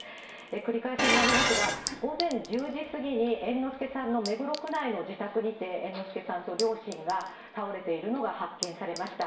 繰り返しになりますが、午前１０時過ぎに猿之助さんの目黒区内の自宅にて、猿之助さんと両親が倒れているのが発見されました。